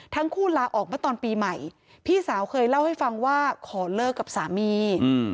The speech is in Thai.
ทั้งคู่ลาออกมาตอนปีใหม่พี่สาวเคยเล่าให้ฟังว่าขอเลิกกับสามี